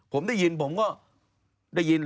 ผมได้ยินผมก็ได้ยิน